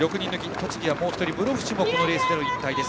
栃木はもう１人、室伏もこのレースで引退です。